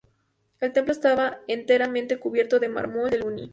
El templo estaba enteramente cubierto de mármol de Luni.